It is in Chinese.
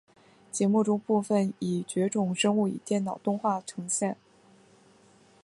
节目中部分已绝种生物以电脑动画呈现。